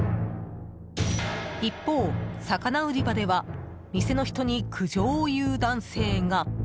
一方、魚売り場では店の人に苦情を言う男性が。